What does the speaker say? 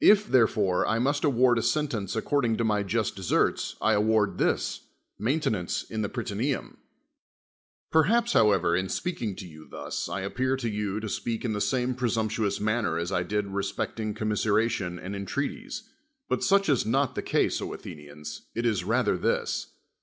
If, therefore, I must award a s nlenee according to my just deserts, I award this. I! aintonance in the Prytaneum. i^M■l;a])s, however, in spealdng to you thus, I appear to you to speak in the same presumptuous man;]in' as I did respecting commiseration and entrcati''s : ])ut such is n(^t the case, O Athe nians, it is rather this.